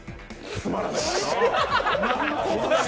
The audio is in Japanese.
つまらない。